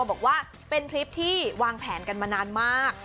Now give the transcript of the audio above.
บอกว่าเป็นทริปที่วางแผนกันมานานมาก